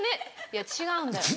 「いや違うんだよ」。